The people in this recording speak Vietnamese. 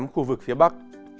khu vực phía bắc